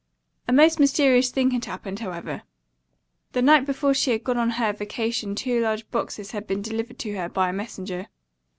A most mysterious thing had happened, however. The night before she had gone on her vacation two large boxes had been delivered to her by a messenger.